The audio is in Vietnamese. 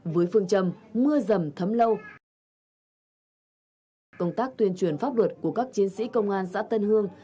với phương trầm mưa dầm thấm lâu công tác tuyên truyền pháp luật của các chiến sĩ công an xã tân hương